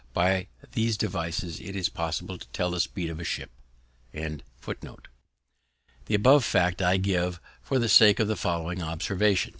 By these devices it is possible to tell the speed of a ship. The above fact I give for the sake of the following observation.